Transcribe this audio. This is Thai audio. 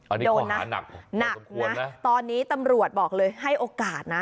อันนี้โดนนะหนักนะตอนนี้ตำรวจบอกเลยให้โอกาสนะ